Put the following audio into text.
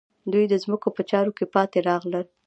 دوی د ځمکو په چارو کې پاتې راغلل.